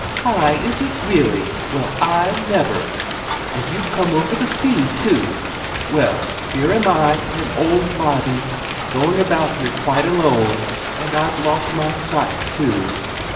"Aye, is it really? Well, I never! And you've come over the sea too! Well, here am I, an old body, going about here quite alone; and I've lost my sight too."